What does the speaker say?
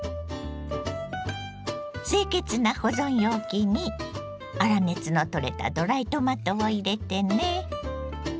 清潔な保存容器に粗熱の取れたドライトマトを入れてね。